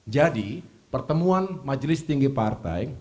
jadi pertemuan majelis tinggi partai